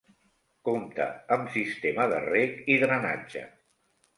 Compta amb sistema de rec i drenatge.